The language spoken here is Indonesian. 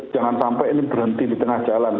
jangan sampai ini berhenti di tengah jalan